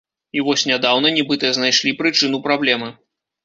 І вось нядаўна нібыта знайшлі прычыну праблемы.